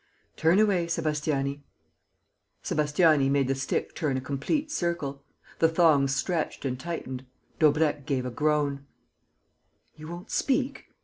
"Turn away, Sébastiani." Sébastiani made the stick turn a complete circle. The thongs stretched and tightened. Daubrecq gave a groan. "You won't speak?